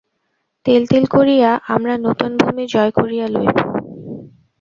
তিল তিল করিয়া আমরা নূতন ভূমি জয় করিয়া লইব।